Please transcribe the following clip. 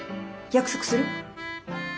約束する？